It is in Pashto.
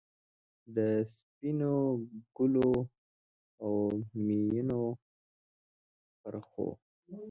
د سپینو ګلو، اومیینو پرخو،